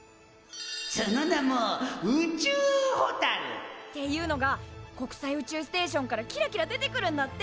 その名も宇宙ホタル！っていうのが国際宇宙ステーションからキラキラ出てくるんだって！